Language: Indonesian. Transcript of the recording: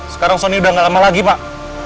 sekarang sonny udah gak lama lagi pak